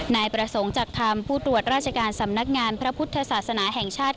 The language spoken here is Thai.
นายประสงค์จากคำผู้ตรวจราชการสำนักงานพระพุทธศาสนาแห่งชาติ